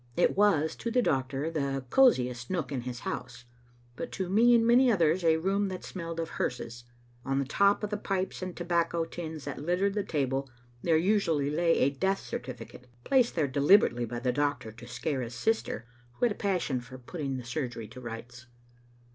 It was, to the doctor, the cosiest nook in his house, but to me and many others a room that smelled of hearses. On the top of the pipes and tobacco tins that littered the table there usually lay a death certifi cate, placed there deliberately by the doctor to scare his sister, who had a passion for putting the surgery to rights.